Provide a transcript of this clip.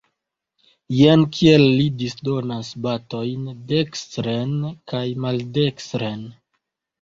Jen kiel li disdonas batojn dekstren kaj maldekstren!